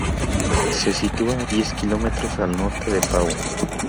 Se sitúa a diez kilómetros al norte de Pau.